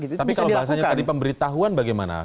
tapi kalau bahasanya tadi pemberitahuan bagaimana